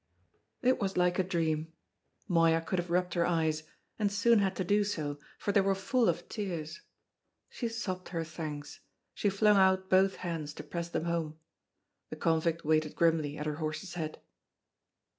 It was like a dream. Moya could have rubbed her eyes, and soon had to do so, for they were full of tears. She sobbed her thanks; she flung out both hands to press them home. The convict waited grimly at her horse's head.